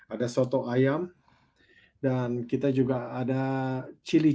ada soto ayam dan kita juga ada chili